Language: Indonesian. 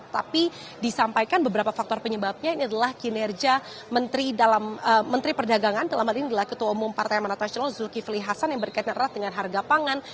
tapi disampaikan beberapa faktor penyebabnya ini adalah kinerja menteri perdagangan kelamin ini adalah ketua umum partai manatrasional zulkifli hasan yang berkaitan dengan harga pangan